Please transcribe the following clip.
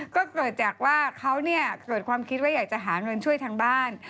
ก็เกิดจากว่าเขาเกิดความคิดว่าอยากจะหาเงินช่วยทางบ้าน